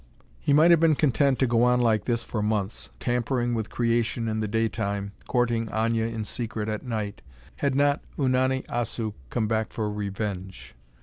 He might have been content to go on like this for months, tampering with creation in the day time, courting Aña in secret at night, had not Unani Assu come back for revenge.